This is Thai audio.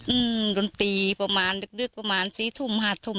อืมดนตรีประมาณดึกประมาณ๔๕ทุ่ม